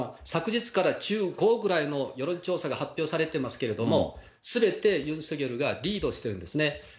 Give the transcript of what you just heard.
さくじつから１５ぐらいの、世論調査が発表されてますけれども、すべてユン・ソギョルがリードしてるんですね。